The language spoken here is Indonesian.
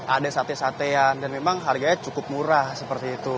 ada sate satean dan memang harganya cukup murah seperti itu